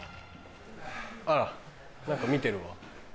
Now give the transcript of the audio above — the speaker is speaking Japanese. あら何か見てるわ。